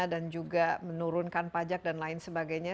dan juga menurunkan pajak dan lain sebagainya